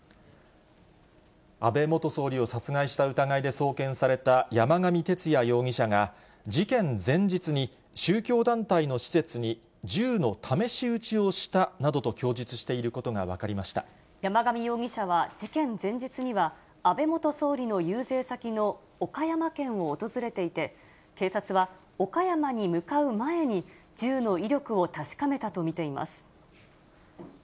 安倍元総理を殺害した疑いで送検された山上徹也容疑者が、事件前日に宗教団体の施設に銃の試し撃ちをしたなどと供述してい山上容疑者は事件前日には、安倍元総理の遊説先の岡山県を訪れていて、警察は、岡山に向かう前に銃の威力を確かめたと見ています。